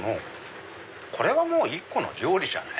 これはもう１個の料理じゃない。